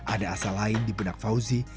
ada asal lain di benak fauzi